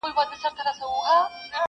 له نیکانو سره ظلم دی جفا ده .